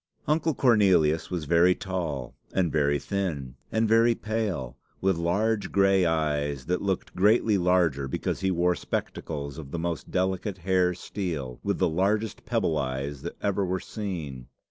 Uncle Cornelius was very tall, and very thin, and very pale, with large gray eyes that looked greatly larger because he wore spectacles of the most delicate hair steel, with the largest pebble eyes that ever were seen.